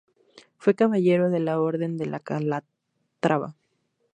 Fue Caballero de la Orden de Calatrava.